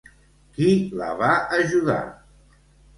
Qui la va ajudar?